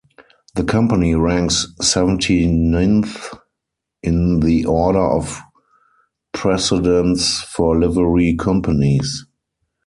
The Company ranks seventy-ninth in the order of precedence for Livery Companies.